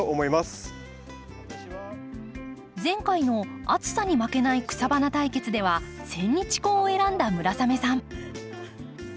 前回の「暑さに負けない草花対決」ではセンニチコウを選んだ村雨さん。